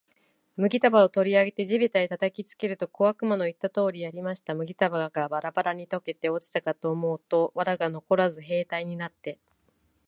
麦束を取り上げて地べたへ叩きつけると、小悪魔の言った通りやりました。麦束がバラバラに解けて落ちたかと思うと、藁がのこらず兵隊になって、